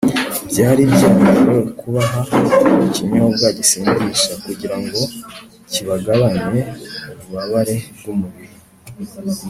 byari byemewe kubaha ikinyobwa gisindisha, kugira ngo kigabanye ububabare bw’umubiri